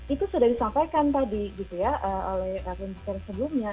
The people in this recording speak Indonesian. itu sudah disampaikan tadi gitu ya oleh akun twitter sebelumnya